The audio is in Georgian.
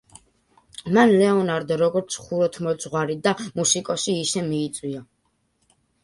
მან ლეონარდო, როგორც ხუროთმოძღვარი და მუსიკოსი, ისე მიიწვია.